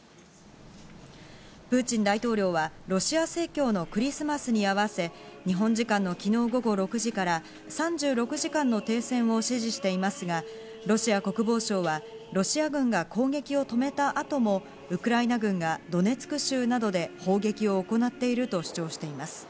プーチン大統領はロシア正教のクリスマスに合わせ、日本時間の昨日午後６時から３６時間の停戦を指示していますが、ロシア国防省はロシア軍が攻撃を止めたあともウクライナ軍がドネツク州などで攻撃を行っていると主張しています。